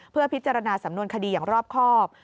เพื่อพิจารณาสำนวนคดีอย่างรอบครอบ